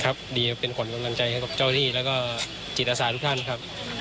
ครับดีเป็นผลกำลังใจของเจ้าหน้าที่และก็จิตอาสาทุกท่านครับ